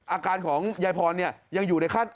อาการของยายพรเนี่ยยังอยู่ในขั้น